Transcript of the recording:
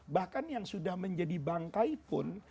bahkan yang sudah menjadi bangkai pun